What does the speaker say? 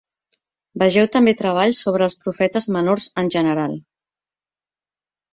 Vegeu també treballs sobre els profetes menors en general.